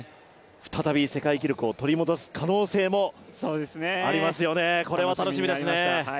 再び世界記録を取り戻す可能性もありますよね、これは楽しみですね。